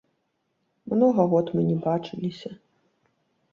Многа год мы не бачыліся.